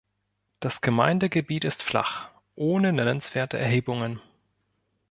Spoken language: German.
Das Gemeindegebiet ist flach ohne nennenswerte Erhebungen.